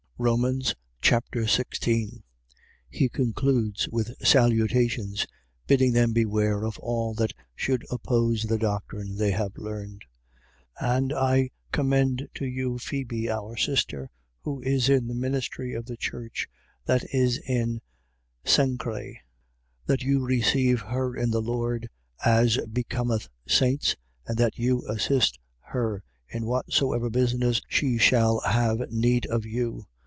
Romans Chapter 16 He concludes with salutations, bidding them beware of all that should oppose the doctrine they had learned. 16:1. And I commend to you Phebe, our sister, who is in the ministry of the church, that is in Cenchrae: 16:2. That you receive her in the Lord as becometh saints and that you assist her in whatsoever business she shall have need of you.